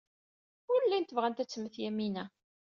Ur llint bɣant ad temmet Yamina.